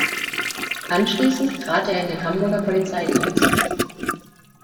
Anschließend trat er in den Hamburger Polizeidienst.